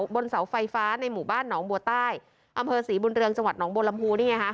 บนเสาไฟฟ้าในหมู่บ้านหนองบัวใต้อำเภอศรีบุญเรืองจังหวัดหนองบัวลำพูนี่ไงฮะ